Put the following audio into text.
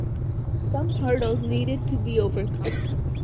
Some hurdles needed to be overcome.